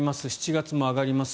７月も上がります。